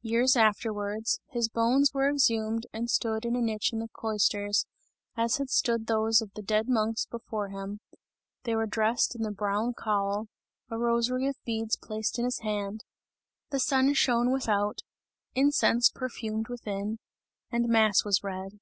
Years afterwards, his bones were exhumed and stood in a niche in the cloisters, as had stood those of the dead monks before him; they were dressed in the brown cowl, a rosary of beads placed in his hand, the sun shone without, incense perfumed within, and mass was read.